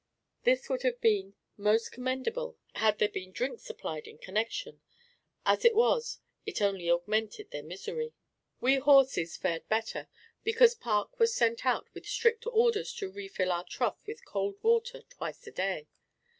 This would have been most commendable had there been drink supplied in connection; as it was, it only augmented their misery. We horses fared better, because Park was sent out with strict orders to refill our trough with cold water twice a day.